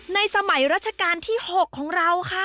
ในสมัยรัชกาลที่๖ของเราค่ะ